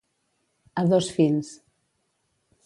A dos fins.